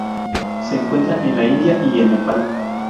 Se encuentra en la India y en Nepal.